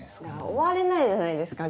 終われないじゃないですか